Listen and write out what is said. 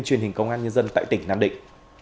truyền hình công an nhân dân tại tỉnh nam định